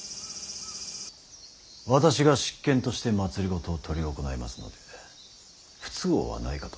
私が執権として政を執り行いますので不都合はないかと。